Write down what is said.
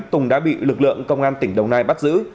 tùng đã bị lực lượng công an tỉnh đồng nai bắt giữ